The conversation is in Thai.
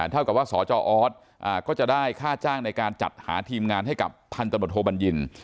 เท่ากับว่าสจออสก็จะได้ค่าจ้างในการจัดหาทีมงานให้กับพันตำรวจโทบัญญิน